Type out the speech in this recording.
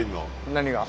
何が？